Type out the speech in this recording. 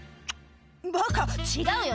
「バカ違うよ！